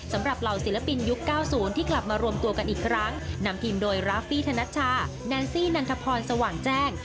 เหล่าศิลปินยุค๙๐ที่กลับมารวมตัวกันอีกครั้งนำทีมโดยราฟฟี่ธนัชชาแนนซี่นันทพรสว่างแจ้ง